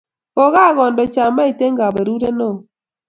kokakondoi chamait eng kaberuret neo